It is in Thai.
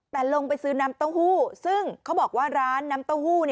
แต่ลงไปซื้อน้ำเต้าหู้ซึ่งเขาบอกว่าร้านน้ำเต้าหู้